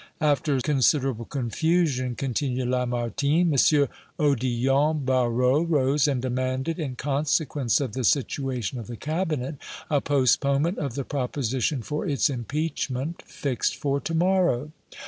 "After considerable confusion," continued Lamartine, "M. Odillon Barrot rose and demanded, in consequence of the situation of the cabinet, a postponement of the proposition for its impeachment, fixed for to morrow."